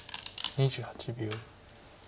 ２８秒。